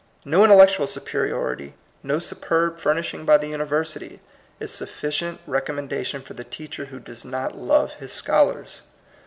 No intellectual superiority, no superb furnish ing by the university, is sufficient recom mendation for the teacher who does not love his scholars.